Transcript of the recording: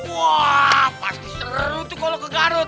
wah pasti seru tuh kalau ke garut